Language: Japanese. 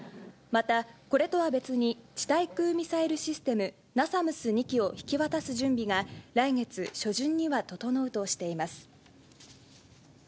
また、これとは別に、地対空ミサイルシステム、ナサムス２基を引き渡す準備が来月初旬には整うとしています。